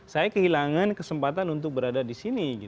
saya kehilangan kesempatan untuk berada di sini